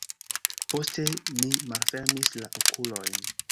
Poste mi malfermis la okulojn.